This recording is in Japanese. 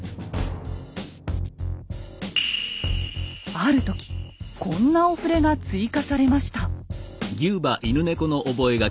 ある時こんなお触れが追加されました。